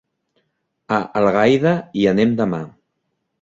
A Algaida hi anem demà.